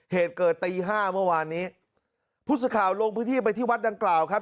เหตุเกิดตีห้าเมื่อวานนี้ผู้สื่อข่าวลงพื้นที่ไปที่วัดดังกล่าวครับ